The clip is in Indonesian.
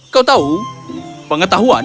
kau tahu pengetahuan